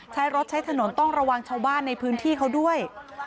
ใช้รถใช้ถนนต้องระวังชาวบ้านในพื้นที่เขาด้วย